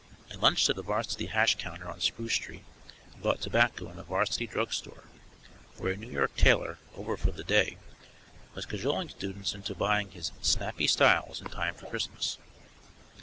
I lunched at a varsity hash counter on Spruce Street and bought tobacco in a varsity drug store, where a New York tailor, over for the day, was cajoling students into buying his "snappy styles" in time for Christmas.